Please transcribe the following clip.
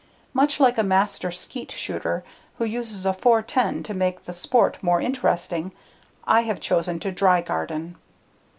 Much like a master skeet shooter who uses a .410 to make the sport more interesting, I have chosen to dry garden.